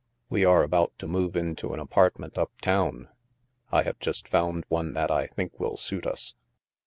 We are about to move into an apartment up town. I have just found one that I think will suit us."